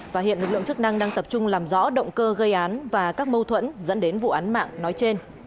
và hiện lực lượng chức năng đang tập trung làm rõ động cơ gây án và các mâu thuẫn dẫn đến vụ án mạng nói trên